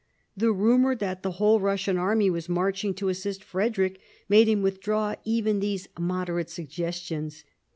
The rumour that the whole Eussian army was marching to assist Frederick made him withdraw even these moderate suggestions.